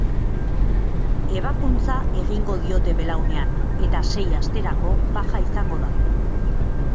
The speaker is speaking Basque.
Ebakuntza egingo diote belaunean eta sei asterako baja izango da.